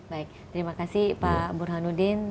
baik terima kasih pak burhanuddin